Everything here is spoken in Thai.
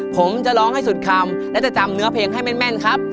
ผมจะร้องให้สุดคำและจะจำเนื้อเพลงให้แม่นครับ